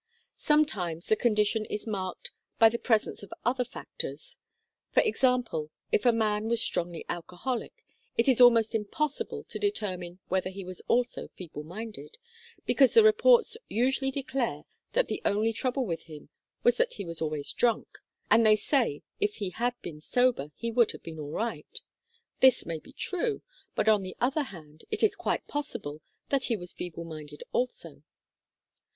Sometimes the condition is marked by the THE DATA 15 presence of other factors. For example, if a man was strongly alcoholic, it is almost impossible to determine whether he was also feeble minded, because the reports usually declare that the only trouble with him was that he was always drunk, and they say if he had been sober, he would have been all right. This may be true, but on the other hand, it is quite possible that he was feeble minded also.